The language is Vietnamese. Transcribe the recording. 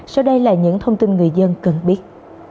sau đây là những thông tin người dân cần biết